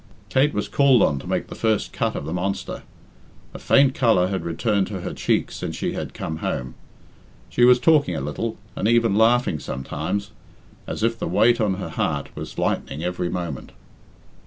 Kate was called on to make the first cut of the monster. A faint colour had returned to her cheeks since she had come home. She was talking a little, and even laughing sometimes, as if the weight on her heart was lightening every moment.